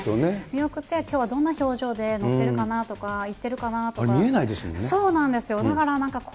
見送って、きょうはどんな表情で乗ってるかなとか、行ってる見えないですもんね。